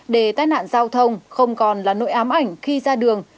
để tai nạn giao thông không còn là nỗi ám ảnh khi ra đường